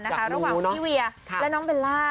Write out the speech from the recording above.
ระหว่างพี่เวียและน้องเบลล่า